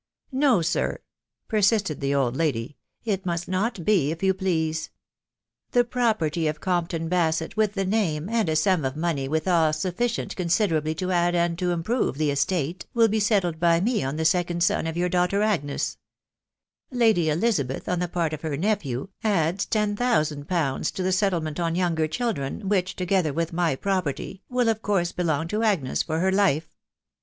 "No, sir/' persisted theoViAaA^, "\\.\sraaft. Yafc\fc1ft^Qi please. The property of Compum, Bawxx, ™ato. fc» too*, i « *um of money withal Buft\c\eia cwmrAw^I *»>*> THE WIDOW BARNABY. 487 improve the estate, will be settled by me on the second son of your daughter Agnes., Lady Elizabeth, on the part of her nephew, adds ten thousand pounds to the settlement on younger children, which, together with my property, will ot course belong to Agnes for her life.